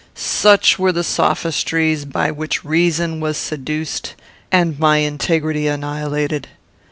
"Such were the sophistries by which reason was seduced and my integrity annihilated.